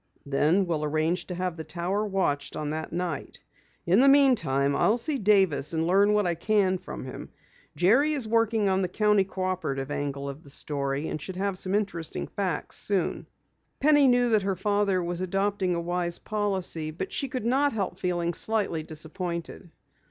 "Then we'll arrange to have the Tower watched on that night. In the meantime, I'll see Davis and learn what I can from him. Jerry is working on the County Cooperative angle of the story, and should have some interesting facts soon." Penny knew that her father was adopting a wise policy, but she could not help feeling slightly disappointed.